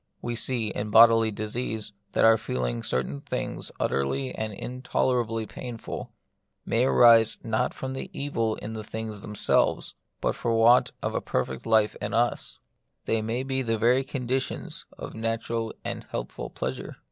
We see, in bodily disease, that our feeling certain things utterly and intole rably painful, may arise not from evil in the things themselves, but from want of a perfect life in us ; they may be the very conditions of natural and healthful pleasure.